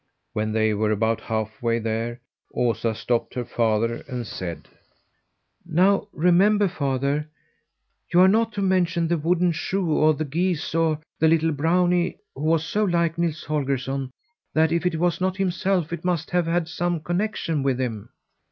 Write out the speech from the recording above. When they were about half way there, Osa stopped her father and said: "Now remember, father, you are not to mention the wooden shoe or the geese or the little brownie who was so like Nils Holgersson that if it was not himself it must have had some connection with him."